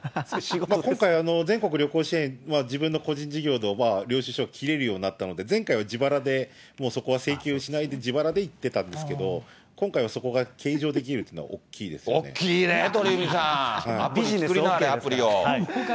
今回、全国旅行支援、自分の個人事業の領収書切れるようになったので、前回は自腹でそこは請求しないで自腹で行ってたんですけど、今回はそこが計上できるというのが大きいで大きいね、ビジネスＯＫ。